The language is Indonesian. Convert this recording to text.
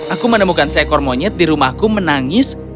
aku menemukan seekor monyet di rumahku menangis